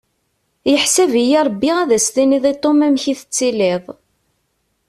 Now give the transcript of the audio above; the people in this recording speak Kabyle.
Yeḥsab-iyi Rebbi ad as-tiniḍ i Tom amek i tettiliḍ.